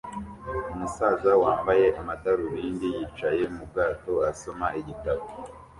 Umusaza wambaye amadarubindi yicaye mu bwato asoma igitabo